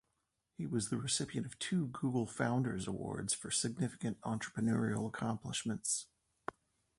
He was the recipient of two Google Founders' Awards for significant entrepreneurial accomplishments.